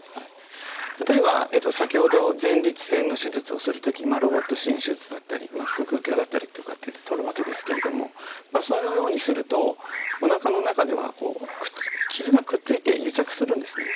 例えば先ほど前立腺の手術をするときロボット支援手術だったり腹腔鏡だったりとかっていって取るわけですけれどもそのようにするとおなかの中では傷がくっついて癒着するんですね。